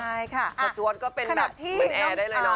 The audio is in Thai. ใช่ค่ะอ่ะสะจวดส์ก็เป็นแบบแม่แอร์ได้เลยนะ